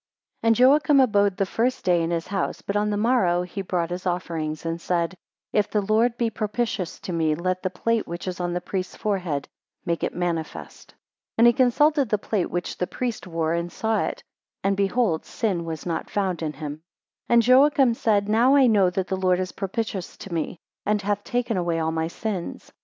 AND Joachim abode the first day in his house, but on the morrow he brought his offerings, and said, 2 If the Lord be propitious to me let the plate which is on the priests forehead make it manifest. 3 And he consulted the plate which the priest wore, and saw it, and behold sin was not found in him. 4 And Joachim said, Now I know that the Lord is propitious to me, and hath taken away all my sins.